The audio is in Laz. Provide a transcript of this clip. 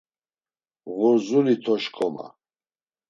Ğurdzuli to şǩoma.